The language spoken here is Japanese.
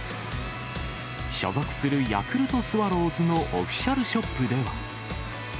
所属するヤクルトスワローズのオフィシャルショップでは。